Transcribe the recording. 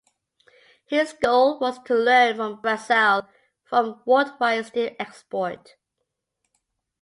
His goal was to learn from Brazil from worldwide steel export.